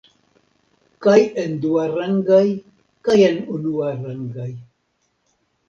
Kaj en duarangaj kaj en unuarangaj.